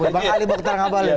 bang ali bang ketara ngabali